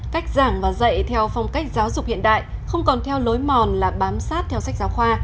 cách giảng và dạy theo phong cách giáo dục hiện đại không còn theo lối mòn là bám sát theo sách giáo khoa